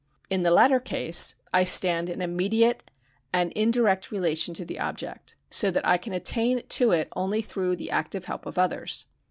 In the latter case I stand in a mediate and indirect relation to the object, so that I can attain to it only through the active help of others.